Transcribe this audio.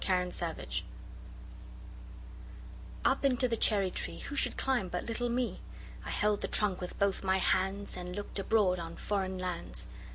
Foreign Lands UP into the cherry treeWho should climb but little me?I held the trunk with both my handsAnd looked abroad on foreign lands.